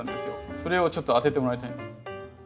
それをちょっと当ててもらいたいんです。